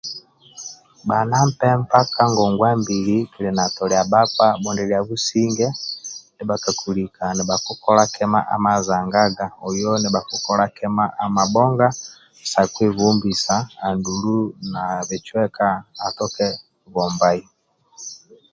Bha na mpempa ka ngogwa mbili kili na tolia bhakpa bhudilia businge ndia bha kakilika nibha kikola kima mazagaga no nibha kikola kima ama bhoga sa kwebhobisa adulu nabhicweka atoke bhobai